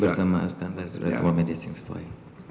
bersama resume medisnya sesuai